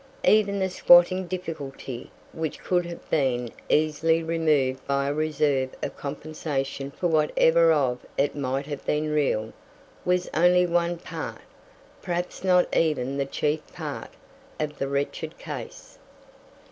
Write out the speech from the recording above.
Even the squatting difficulty, which could have been easily removed by a reserve of compensation for whatever of it might have been real, was only one part, perhaps not even the chief part, of the wretched case.